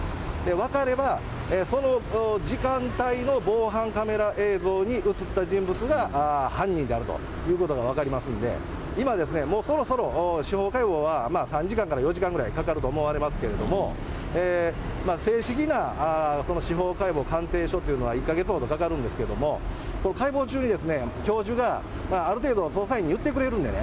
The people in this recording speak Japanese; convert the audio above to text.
分かれば、その時間帯の防犯カメラ映像に写った人物が犯人であるということが分かりますので、今ですね、もうそろそろ司法解剖は３時間から４時間ぐらいかかると思われますけれども、正式な司法解剖、鑑定書というのは１か月ほどかかるんですけれども、解剖中に教授がある程度、捜査員に言ってくれるんでね。